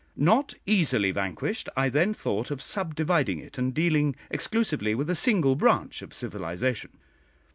Not easily vanquished, I then thought of subdividing it, and dealing exclusively with a single branch of civilisation.